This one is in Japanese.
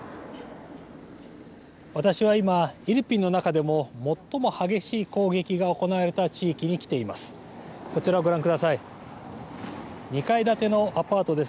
私は今、イルピンの中でも最も激しい攻撃が行われた地域に来ています。